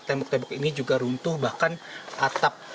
tembok tembok ini juga runtuh bahkan atap